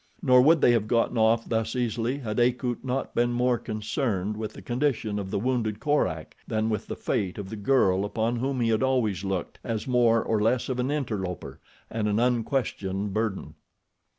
Nor would they have gotten off thus easily had Akut not been more concerned with the condition of the wounded Korak than with the fate of the girl upon whom he had always looked as more or less of an interloper and an unquestioned burden.